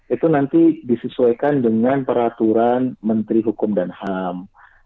itu nanti disesuaikan dengan peraturan menteri hukum dan ham